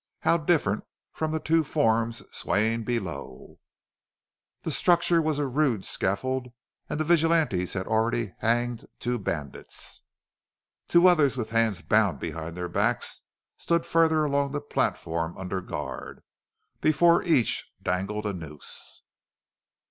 How different from the two forms swaying below! The structure was a rude scaffold and the vigilantes had already hanged two bandits. Two others with hands bound behind their backs stood farther along the platform under guard. Before each dangled a noose.